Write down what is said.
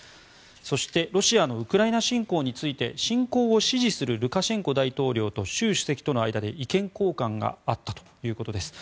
そして、ロシアのウクライナ侵攻について侵攻を支持するルカシェンコ大統領と習主席との間で意見交換があったということです。